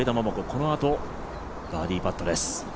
このあとバーディーパットです。